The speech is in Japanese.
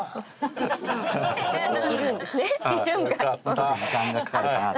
ちょっと時間がかかるかなと。